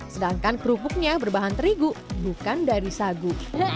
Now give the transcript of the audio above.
sedangkan kerupuknya berbahan terigu bukan dari sagu